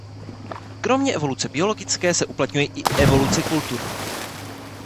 Kromě evoluce biologické se uplatňuje i evoluce kulturní.